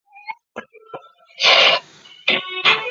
他在苏格兰阿伯丁大学读书。